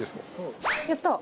やった！